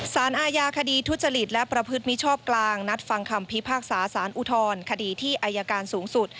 สารอาญาคดีทุจริตและประพฤติมิชชอบกลางนัดฟังคำพิพากษาสารอุทธรณคดีที่อายการสูงสุด